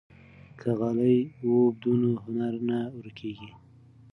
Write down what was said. که غالۍ ووبدو نو هنر نه ورکيږي.